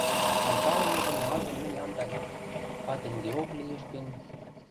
— Алталымыжым-мажым мӹнь ам пӓлӹ, а тенгеок лиэш гӹнь...